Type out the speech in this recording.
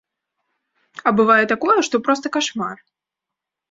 А бывае такое, што проста кашмар.